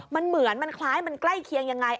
มันเหมือนมันคล้ายมันใกล้เคียงยังไง